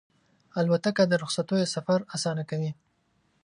الوتکه د رخصتیو سفر اسانه کوي.